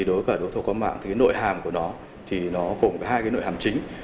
đối với đấu thầu có mạng nội hàm của nó có hai nội hàm chính